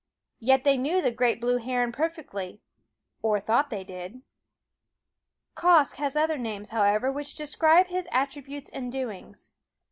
Yet they knew the great blue ^^f(een Eyed heron perfectly or thought they did. Quoskh has other names, however, which describe his attributes and doings.